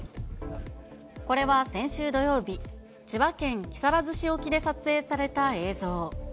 これは先週土曜日、千葉県木更津市沖で撮影された映像。